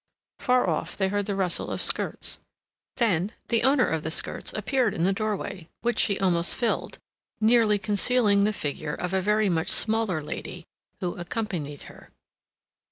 Far off, they heard the rustle of skirts. Then the owner of the skirts appeared in the doorway, which she almost filled, nearly concealing the figure of a very much smaller lady who accompanied her.